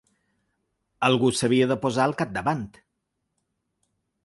Algú s’havia de posar al capdavant.